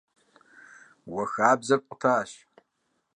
Уэ хабзэр пкъутащ.